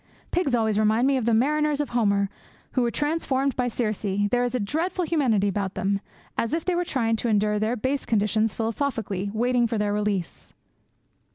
Pigs always remind me of the mariners of Homer, who were transformed by Circe; there is a dreadful humanity about them, as if they were trying to endure their base conditions philosophically, waiting for their release.'